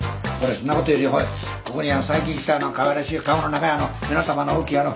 そんなことよりここに最近来たかわいらしい顔の長い目の玉の大きいあの。